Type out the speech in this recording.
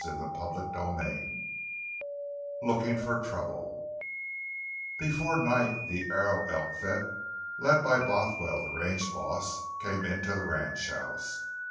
CHAPTER XXII—LOOKING FOR TROUBLE Before night the Arrow outfit, led by Bothwell, the range boss, came into the ranchhouse.